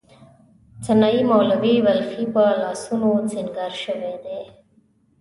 سنايي، مولوی بلخي په لاسونو سینګار شوې دي.